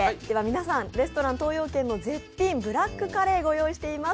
皆さん、レストラン東洋軒の絶品ブラックカレーご用意しています。